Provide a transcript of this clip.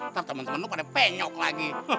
ntar temen temen lo pada penyok lagi